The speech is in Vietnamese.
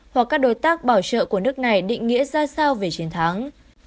hoặc các đối tác bảo trợ của nước này định nghĩa ra sao về chiến thắng